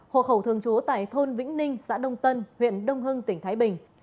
hộ khẩu thường trú tại thôn vĩnh ninh xã đông tân huyện đông hưng tỉnh thái bình